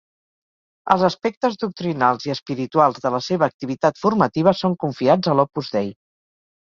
Els aspectes doctrinals i espirituals de la seva activitat formativa són confiats a l'Opus Dei.